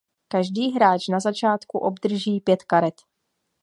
Každý hráč na začátku obdrží pět karet.